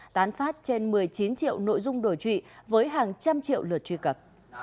tán phát trên một mươi chín triệu nội dung đổi trụy với hàng trăm triệu lượt truy cập